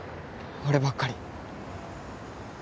俺ばっかり。